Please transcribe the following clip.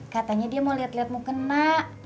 katanya dia mau liat liat mukena